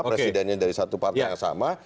presidennya dari satu partai yang sama